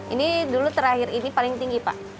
ini dulu terakhir ini paling tinggi pak